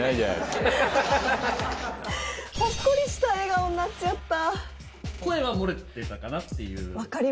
ほっこりした笑顔になっちゃった。